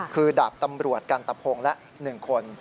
คือดาบตำรวจกันตะพงศ์และ๑คน